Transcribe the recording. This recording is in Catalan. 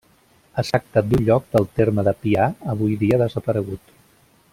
Es tracta d'un lloc del terme de Pià avui dia desaparegut.